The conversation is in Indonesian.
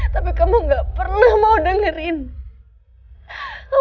tapi kamu gak pernah mau dengerin